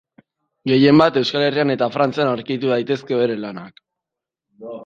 Gehienbat Euskal Herrian eta Frantzian aurkitu daitezke bere lanak.